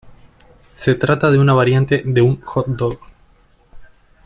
Se trata de una variante de un "hot dog".